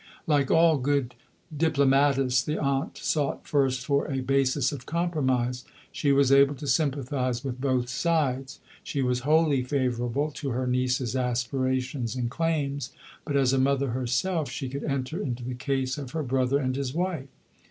Like all good diplomatists, the aunt sought first for a basis of compromise. She was able to sympathize with both sides. She was wholly favourable to her niece's aspirations and claims. But as a mother herself, she could enter into the case of her brother and his wife.